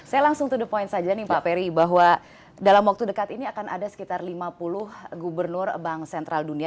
saya langsung to the point saja nih pak ferry bahwa dalam waktu dekat ini akan ada sekitar lima puluh gubernur bank sentral dunia